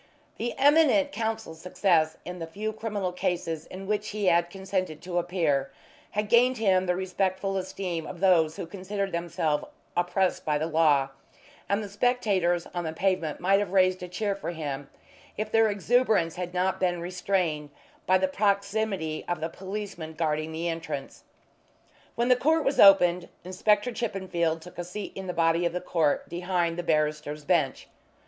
The eminent counsel's success in the few criminal cases in which he had consented to appear had gained him the respectful esteem of those who considered themselves oppressed by the law, and the spectators on the pavement might have raised a cheer for him if their exuberance had not been restrained by the proximity of the policeman guarding the entrance. When the court was opened Inspector Chippenfield took a seat in the body of the court behind the barrister's bench.